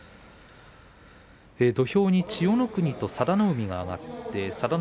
土俵に千代の国と佐田の海が上がっています。